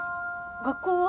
学校は？